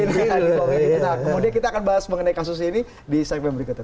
nah kemudian kita akan bahas mengenai kasus ini di segmen berikutnya